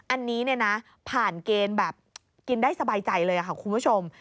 อันนี้เนี่ยนะผ่านเกณฑ์แบบกินได้สบายใจเลยค่ะคุณผู้ชม